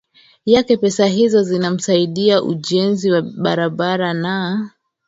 yake pesa hizo zinasaidia ujenzi wa barabara na